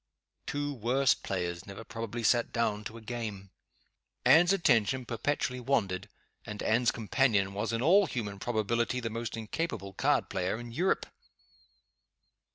Two worse players never probably sat down to a game. Anne's attention perpetually wandered; and Anne's companion was, in all human probability, the most incapable card player in Europe.